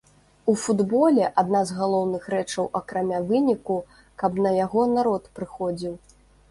У футболе адна з галоўных рэчаў акрамя выніку, каб на яго народ прыходзіў.